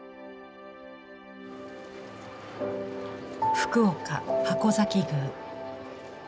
福岡筥崎宮。